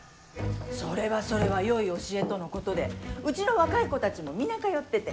それはそれはよい教えとのことでうちの若い子たちも皆通ってて。